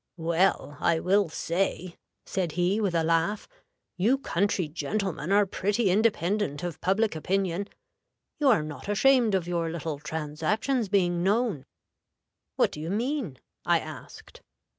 'Well, I will say,' said he, with a laugh, 'you country gentlemen are pretty independent of public opinion. You are not ashamed of your little transactions being known!' 'What do you mean?' I asked.